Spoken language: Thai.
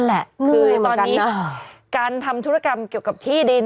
แหละคือตอนนี้การทำธุรกรรมเกี่ยวกับที่ดิน